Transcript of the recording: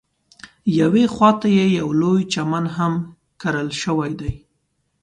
یوې خواته یې یو لوی چمن هم کرل شوی دی.